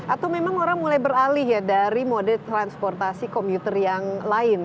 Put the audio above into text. atau memang orang mulai beralih ya dari mode transportasi komuter yang lain